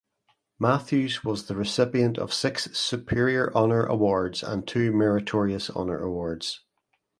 Matthews was the recipient of six Superior Honor Awards and two Meritorious Honor Awards.